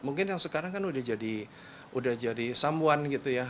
mungkin yang sekarang kan udah jadi someone gitu ya